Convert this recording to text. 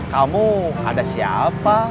kamu ada siapa